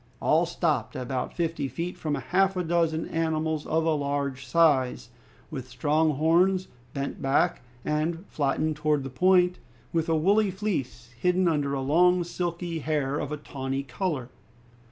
All stopped about fifty feet from half a dozen animals of a large size, with strong horns bent back and flattened towards the point, with a woolly fleece, hidden under long silky hair of a tawny color.